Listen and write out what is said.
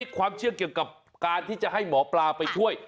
ความเชื่อเกี่ยวกับการที่จะให้หมอปลาไปช่วย